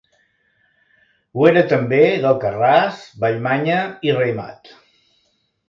Ho era també d'Alcarràs, Vallmanya i Raïmat.